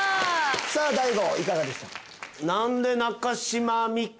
さあ大悟いかがでしたか？